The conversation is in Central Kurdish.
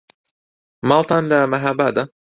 ماڵتان لە مەهابادە؟